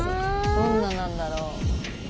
どんななんだろう？